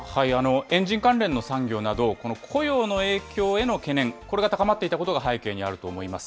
エンジン関連の産業など、雇用の影響への懸念、これが高まっていたことが背景にあると思います。